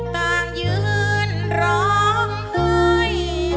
ต่างยืนร้องเคย